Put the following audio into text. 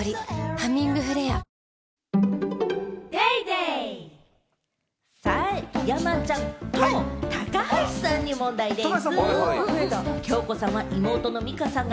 「ハミングフレア」さあ山ちゃんと高橋さんに問題でぃす。